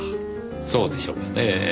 そうでしょうかねぇ。